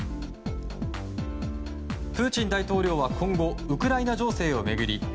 プーチン大統領は今後ウクライナ情勢を巡り